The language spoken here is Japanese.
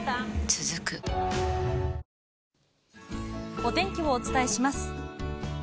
続くお天気をお伝えします。